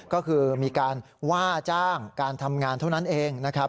ก็คือมีการว่าจ้างการทำงานเท่านั้นเองนะครับ